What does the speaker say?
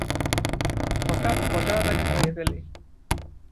হঠাৎ প্রজারা তাঁকে ঘিরে ফেলে।